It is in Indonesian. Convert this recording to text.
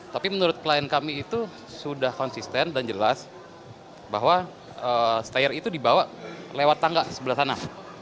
tapi menurut klien kami itu sudah konsisten dan jelas bahwa setayer itu dibawa lewat tangga sebelah sana